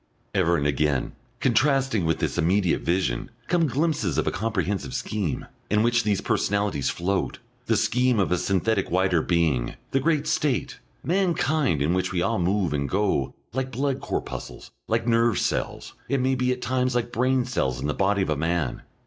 Ever and again, contrasting with this immediate vision, come glimpses of a comprehensive scheme, in which these personalities float, the scheme of a synthetic wider being, the great State, mankind, in which we all move and go, like blood corpuscles, like nerve cells, it may be at times like brain cells, in the body of a man.